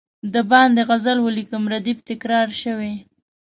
د باندي غزل ولیکم ردیف تکرار شوی.